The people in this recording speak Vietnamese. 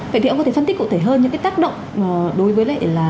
vậy thì ông có thể phân tích cụ thể hơn những cái tác động đối với lại là